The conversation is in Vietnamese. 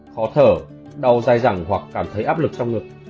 khó thở đau dài dẳng hoặc cảm thấy áp lực trong ngực